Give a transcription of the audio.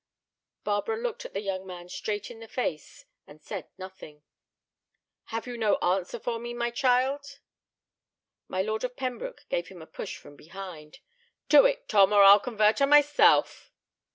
Barbara looked the young man straight in the face and said nothing. "Have you no answer for me, my child?" My Lord of Pembroke gave him a push from behind. "To it, Tom, or I'll convert her myself!"